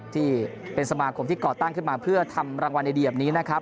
ที่เป็นสมาคมที่ก่อตั้งขึ้นมาเพื่อทำรางวัลในดีแบบนี้นะครับ